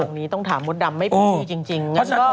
ภาพนี้ต้องถามหมดดำไม่พูดพี่จริง